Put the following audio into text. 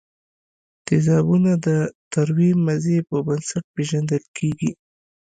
تیزابونه د تروې مزې په بنسټ پیژندل کیږي.